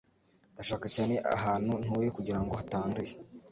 Ndashaka cyane ahantu ntuye kugirango hatanduye.